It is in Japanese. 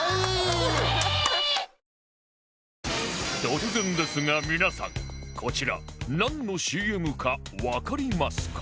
突然ですが皆さんこちらなんの ＣＭ かわかりますか？